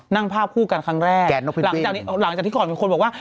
นั่งภาพคู่กันครั้งแรกหลังจากที่ก่อนมีคนบอกว่า